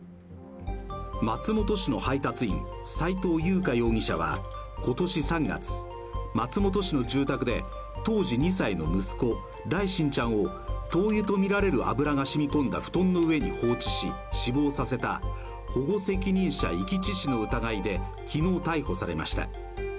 松本市の配達員斉藤優花容疑者は今年３月、松本市の住宅で当時２歳の息子・來心ちゃんを灯油とみられる油が染み込んだ布団の上に放置し死亡させた保護責任者遺棄致死の疑いで昨日逮捕されました。